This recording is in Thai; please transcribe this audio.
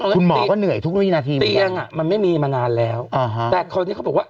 คุณหมอก็เหนื่อยทุกนี่นาทีมันไม่มีมานานแล้วอ่าฮะแต่คนนี้เขาบอกว่า